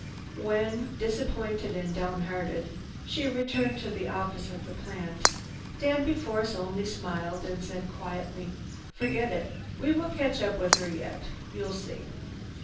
When, disappointed and downhearted, she returned to the office of the plant, Danby Force only smiled and said quietly, "Forget it. We will catch up with her yet. You'll see!